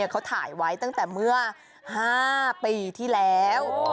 เขาถ่ายไว้ตั้งแต่เมื่อ๕ปีที่แล้ว